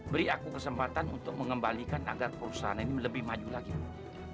beri aku kesempatan untuk mengembalikan agar perusahaan ini lebih maju lagi